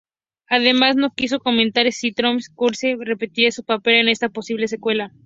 Además, no quiso comentar si Tom Cruise repetiría su papel en esta posible secuela.